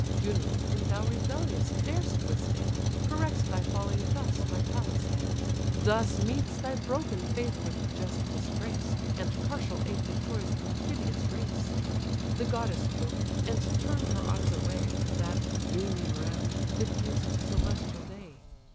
Juno, whom thou rebellious darest withstand, Corrects thy folly thus by Pallas' hand; Thus meets thy broken faith with just disgrace, And partial aid to Troy's perfidious race." The goddess spoke, and turn'd her eyes away, That, beaming round, diffused celestial day.